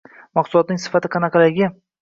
mahsulotlarining sifati qanaqaligi.